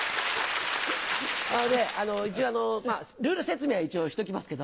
一応ルール説明は一応しておきますけど。